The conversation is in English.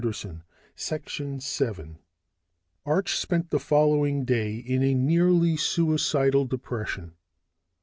Arch spent the following day in a nearly suicidal depression.